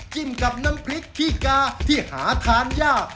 กับน้ำพริกขี้กาที่หาทานยาก